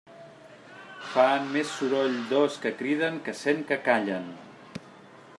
Fan més soroll dos que criden que cent que callen.